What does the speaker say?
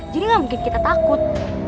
jadi gapungkin kita takut